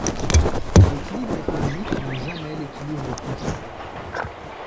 L'équilibre économique n'est jamais l'équilibre comptable.